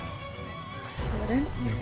ya udah ren